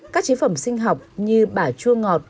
các chế phẩm sinh học như bả chua ngọt